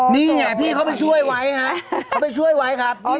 นี่ไงพี่เขาไปช่วยไว้ฮะเขาไปช่วยไว้ครับ